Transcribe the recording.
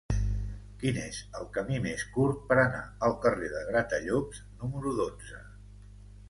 Quin és el camí més curt per anar al carrer de Gratallops número dotze?